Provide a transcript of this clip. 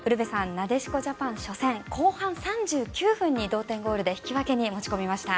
なでしこジャパン初戦後半３９分に同点ゴールで引き分けに持ち込みました。